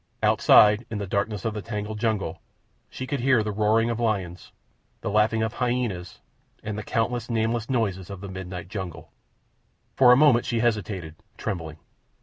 Outside, in the darkness of the tangled jungle, she could hear the roaring of lions, the laughing of hyenas, and the countless, nameless noises of the midnight jungle. For a moment she hesitated, trembling.